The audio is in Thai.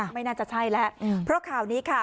ไม่น่าจะใช่แล้วเพราะข่าวนี้ค่ะ